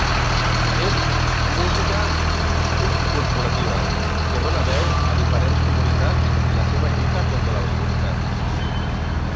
És música subcorporativa que dona veu a diferents comunitats i la seva lluita contra l"autoritat.